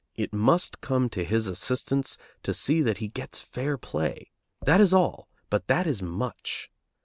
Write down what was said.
It must come to his assistance to see that he gets fair play; that is all, but that is much.